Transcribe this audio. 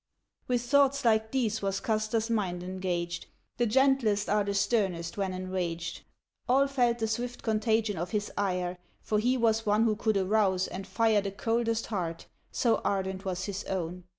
With thoughts like these was Custer's mind engaged. The gentlest are the sternest when enraged. All felt the swift contagion of his ire, For he was one who could arouse and fire The coldest heart, so ardent was his own.